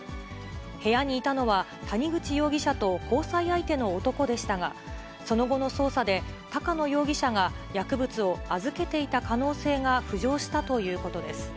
部屋にいたのは、谷口容疑者と交際相手の男でしたが、その後の捜査で、高野容疑者が薬物を預けていた可能性が浮上したということです。